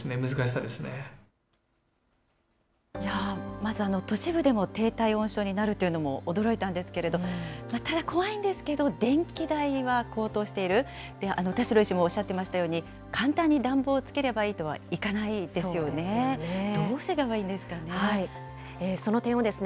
まず、都市部でも低体温症になるというのも驚いたんですけれど、ただ怖いんですけど、電気代は高騰している、田代医師もおっしゃっていたように、簡単に暖房をつければいいとはいかないですよね。